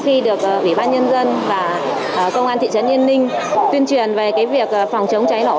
khi được ủy ban nhân dân và công an thị trấn yên ninh tuyên truyền về cái việc phòng chống cháy nổ